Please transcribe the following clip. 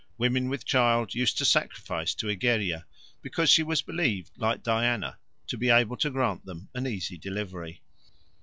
Women with child used to sacrifice to Egeria, because she was believed, like Diana, to be able to grant them an easy delivery.